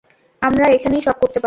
আমরা এখানেই সব করতে পারব।